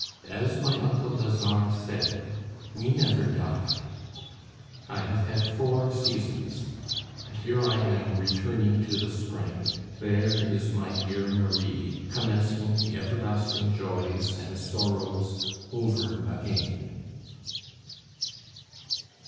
As my uncle Lazare said, we never die. I have had four seasons, and here I am returning to the spring, there is my dear Marie commencing the everlasting joys and sorrows over again.